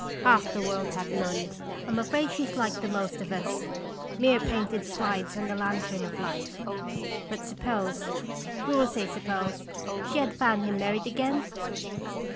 Half the world have none. I 'm afraid she was like the most of us, mere painted slides on the lantern of Life. But suppose we will say suppose she had found him married again?"